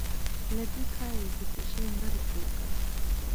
له دې کاره دې د پيشي مرګ جوړ کړ.